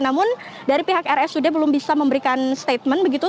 namun dari pihak rsud belum bisa memberikan statement begitu